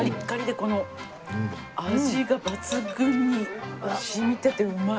この味が抜群に染みててうまい。